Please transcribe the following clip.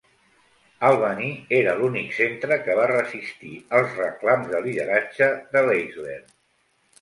Albany era l"únic centre que va resistir els reclams de lideratge de Leisler.